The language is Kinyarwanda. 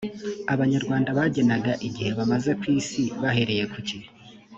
abanyarwanda bagenaga igihe bamaze ku isi bahereye ku ki